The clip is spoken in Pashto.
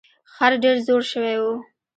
خر ډیر زوړ شوی و.